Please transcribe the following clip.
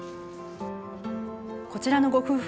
こちらのご夫婦